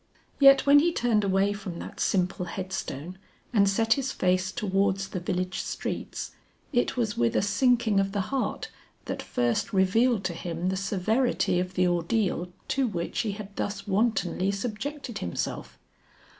Yet when he turned away from that simple headstone and set his face towards the village streets it was with a sinking of the heart that first revealed to him the severity of the ordeal to which he had thus wantonly subjected himself.